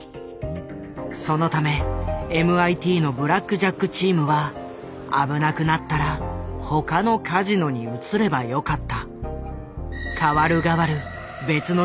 そのためＭＩＴのブラックジャック・チームは危なくなったら他のカジノに移ればよかった。